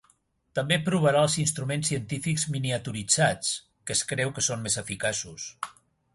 També provarà els instruments científics miniaturitzats, que es creu que són més eficaços.